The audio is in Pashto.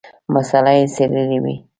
مساله یې څېړلې وي.